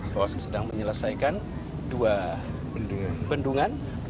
bahwa saya sedang menyelesaikan dua bendungan